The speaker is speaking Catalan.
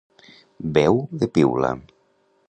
Veu de piula.